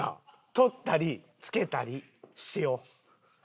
取ったりつけたりしよう。